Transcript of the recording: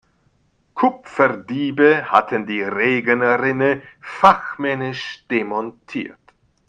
Kupferdiebe hatten die Regenrinne fachmännisch demontiert.